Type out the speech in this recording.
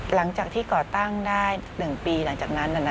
หลังจากที่ก่อตั้งได้๑ปีหลังจากนั้น